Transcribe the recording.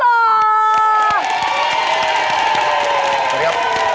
ครับ